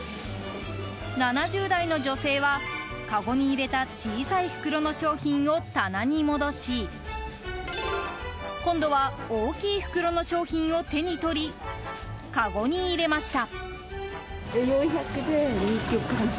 ７０代の女性は、かごに入れた小さい袋の商品を棚に戻し今度は大きい袋の商品を手にとりかごに入れました。